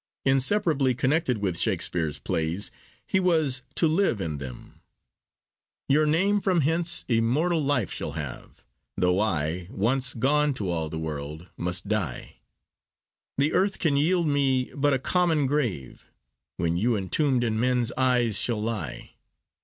Inseparably connected with Shakespeare's plays, he was to live in them. Your name from hence immortal life shall have, Though I, once gone, to all the world must die: The earth can yield me but a common grave, When you entombed in men's eyes shall lie.